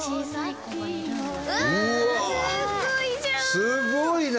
すごいな！